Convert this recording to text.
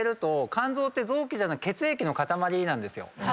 肝臓って臓器じゃ血液の固まりなんですよ。